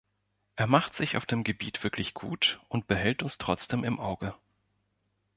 Er macht sich auf dem Gebiet wirklich gut und behält uns trotzdem im Auge.